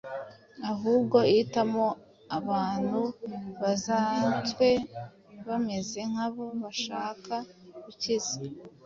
Ahubwo ihitamo abantu basanzwe bameze nk’abo bashaka gukiza.